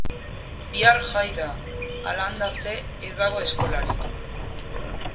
Bihar jai da; halanda ze, ez dago eskolarik